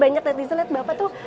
banyak netizen lihat bapak tuh